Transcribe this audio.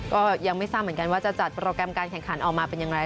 ก็ยังไม่ทราบเหมือนกันว่าจะจัดโปรแกรมการแข่งขันออกมาเป็นอย่างไร